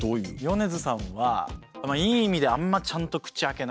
米津さんはいい意味であんまちゃんと口開けないっていう。